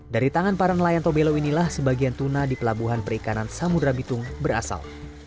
dari tangan para nelayan tobelo inilah sebagian tuna di pelabuhan perikanan samudera bitung berasal